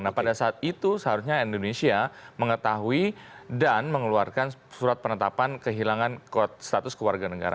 nah pada saat itu seharusnya indonesia mengetahui dan mengeluarkan surat penetapan kehilangan status keluarga negara